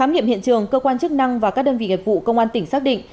điện trường cơ quan chức năng và các đơn vị nghiệp vụ công an tỉnh xác định